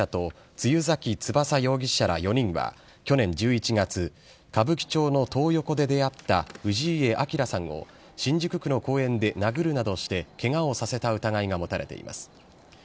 田村たかひろ容疑者と露崎翼容疑者ら４人は、去年１１月、歌舞伎町のトー横で出会った氏家彰さんを、新宿区の公園で殴るなどしてけがをさせた疑いが持たれています。